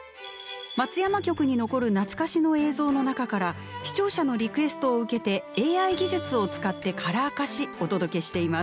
松山局に残る懐かしの映像の中から視聴者のリクエストを受けてＡＩ技術を使ってカラー化しお届けしています。